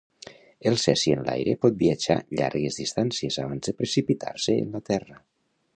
El cesi en l'aire pot viatjar llargues distàncies abans de precipitar-se en la terra.